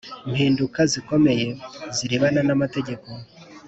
Mpinduka zikomeye zirebana n amategeko